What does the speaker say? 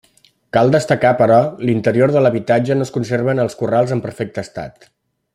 Cal destacar però l'interior de l'habitatge on es conserven els corrals en perfecte estat.